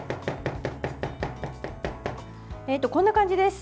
こんな感じです。